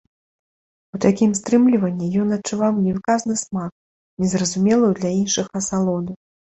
У такім стрымліванні ён адчуваў невыказны смак, незразумелую для іншых асалоду.